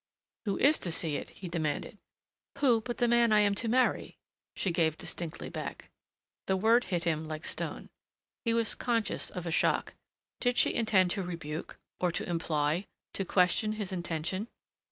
"Who is to see it?" he demanded. "Who but the man I am to marry," she gave distinctly back. The word hit him like stone. He was conscious of a shock. Did she intend to rebuke or to imply to question his intention?